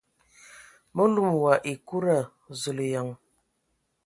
Mə lum wa ekuda ! Zulǝyan!